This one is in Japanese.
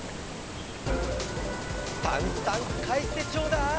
タンスタンクかえしてちょうだい！